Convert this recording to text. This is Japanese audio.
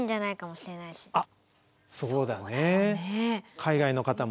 あっそうだね。